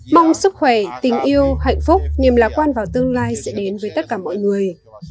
mong sức khỏe tình yêu hạnh phúc niềm lạc quan vào tương lai sẽ đến với tất cả mọi người